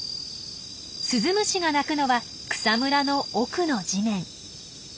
スズムシが鳴くのは草むらの奥の地面。